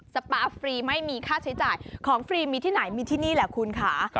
สปาฟรีไม่มีค่าใช้จ่ายของฟรีมีที่ไหนมีที่นี่แหละคุณค่ะ